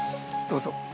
どうぞ。